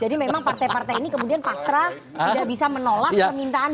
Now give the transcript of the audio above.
jadi memang partai partai ini kemudian pasrah tidak bisa menolak permintaan dari pak jokowi